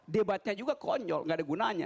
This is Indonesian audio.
debatnya juga konyol nggak ada gunanya